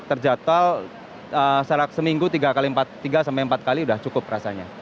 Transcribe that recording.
terjatuh secara seminggu tiga empat kali sudah cukup rasanya